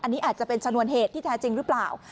อันนี้อาจจะเป็นชนวนเหตุที่แท้จริงหรือเปล่า